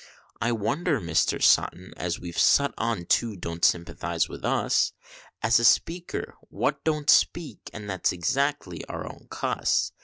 I wonder Mr. Sutton, as we've sut on too, don't sympathize with us As a Speaker what don't speak, and that's exactly our own cus.